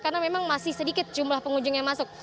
karena memang masih sedikit jumlah pengunjung yang masuk